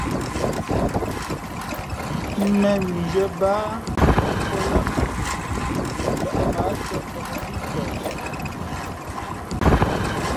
̀mēn mʉnzhwē bāā nkα̌kūα lά lᾱʼ mα ǎ těmvak mbí pαh.